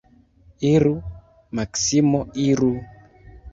Iru, Maksimo, iru!